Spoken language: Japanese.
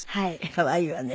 可愛いわね。